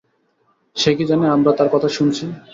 সে কি জানে আমরা তার কথা শুনছি?